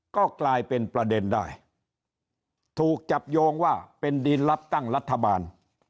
ก็กลายเป็นประเด็นได้ถูกจับโยงว่าเป็นดินรับตั้งรัฐบาล